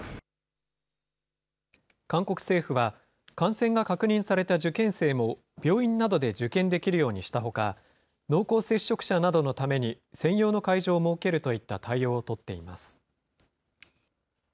韓国政府は、感染が確認された受験生も、病院などで受験できるようにしたほか、濃厚接触者などのために専用の会場を設けるといった対応を取っています。